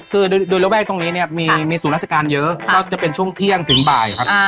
คือโดยระแวกตรงนี้เนี่ยมีศูนย์ราชการเยอะก็จะเป็นช่วงเที่ยงถึงบ่ายครับ